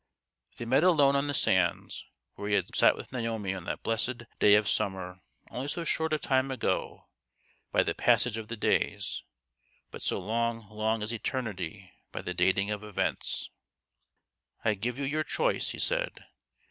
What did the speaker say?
They met alone on the sands, where he had sat with Naomi on that blessed day of summer only so short a time ago by the passage of the days, but so long long as eternity by the dating of events. " I give you your choice," he said.